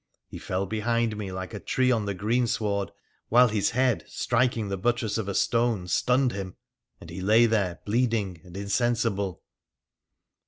He fell behind me like a tree on the greensward, while his head striking the buttress of a stone stunned him, and he lay there bleeding and insensible.